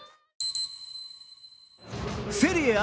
セリエＡ